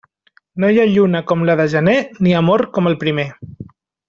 No hi ha lluna com la de gener, ni amor com el primer.